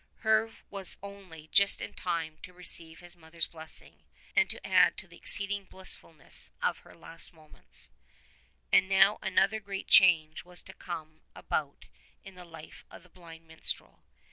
Herve was only just in time to receive his mother's blessing and to add to the exceeding blissfulness of her last mo ments. And now another great change was to come about in the life of the blind minstrel.